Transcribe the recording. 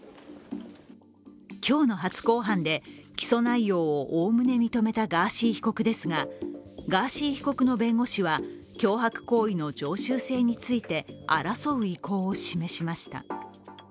今日の初公判で起訴内容をおおむね認めたガーシー被告ですがガーシー被告の弁護士は脅迫行為の常習性について争う意向を示しました。